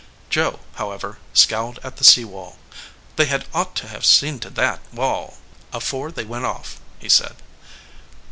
Joe, however, scowled at the sea wall. "They had ought to have seen to that wall afore they went off," he said.